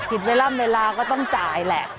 ผิดเวลาเมลาก็ต้องจ่ายแหละ